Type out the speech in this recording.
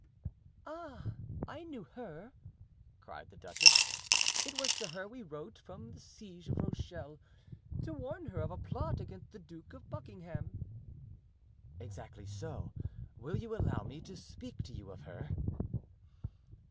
"Ah, I knew her!" cried the duchess. "It was to her he wrote from the siege of Rochelle, to warn her of a plot against the Duke of Buckingham." "Exactly so; will you allow me to speak to you of her?"